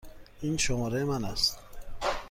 این شماره من است.